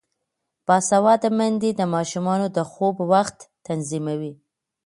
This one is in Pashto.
باسواده میندې د ماشومانو د خوب وخت تنظیموي.